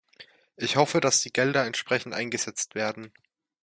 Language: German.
Ich hoffe, dass die Gelder entsprechend eingesetzt werden.